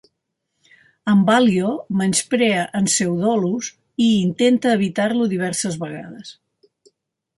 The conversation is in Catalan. En Ballio menysprea en Pseudolus i intenta evitar-lo diverses vegades.